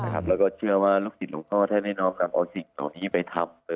ครับแล้วก็เชื่อลูกษิศหลวงพ่อจะให้น้องนำออกสิ่งของนี้ไปทำ